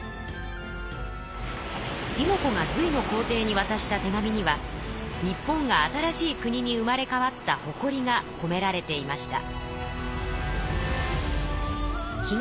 妹子が隋の皇帝にわたした手紙には日本が新しい国に生まれ変わった誇りがこめられていました。